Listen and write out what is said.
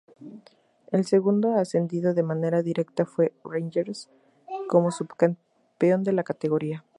El segundo ascendido de manera directa fue Rangers, como subcampeón de la categoría.